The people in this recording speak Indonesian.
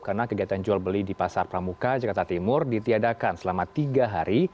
karena kegiatan jual beli di pasar pramuka jakarta timur ditiadakan selama tiga hari